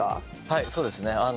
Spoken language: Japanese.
はいそうですね。